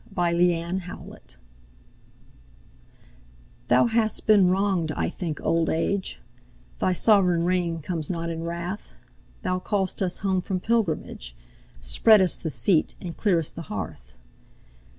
Y Z Old Age THOU hast been wrong'd, I think old age; Thy soverign reign comes not in wrath, Thou call'st us home from pilgrimage, Spreadest the seat and clear'st the hearth.